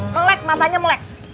melek matanya melek